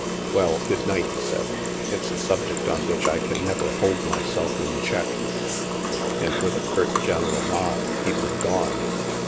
" Well, good night," he said, " it's a subject on which I can never hold myself in check." And with a curt general nod, he was gone.